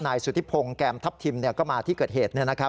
นายสุธิพงศ์แกรมทับทิมเนี่ยก็มาที่เกิดเหตุ